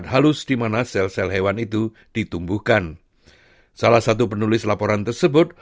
hal ini menunjukkan bahwa salah satu kendala terbesar